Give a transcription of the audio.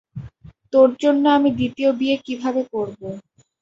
তোর জন্য আমি দ্বিতীয় বিয়ে কীভাবে করবো?